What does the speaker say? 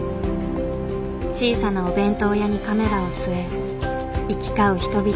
小さなお弁当屋にカメラを据え行き交う人々の声に耳を傾けた。